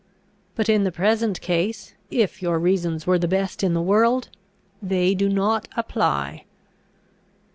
But in the present case, if your reasons were the best in the world, they do not apply."